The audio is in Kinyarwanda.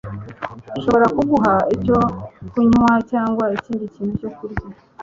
Nshobora kuguha icyo kunywa cyangwa ikindi kintu cyo kurya?